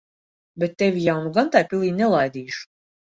Bet tevi jau nu gan tai pilī nelaidīšu.